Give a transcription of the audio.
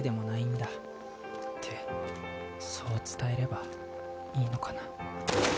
ってそう伝えればいいのかな？